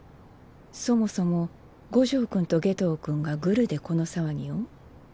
そもそも五条君と夏油君がグルでこの騒ぎを？